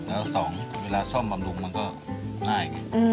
แล้วสองเวลาซ่อมบำรุงมันก็ง่ายไง